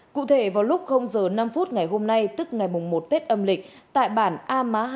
cụ thể vào lúc giờ năm phút ngày hôm nay tức ngày một tết âm lịch tại bản a má hai